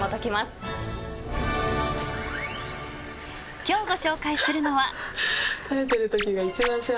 ［今日ご紹介するのは］